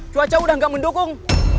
cuaca udah gak mendukung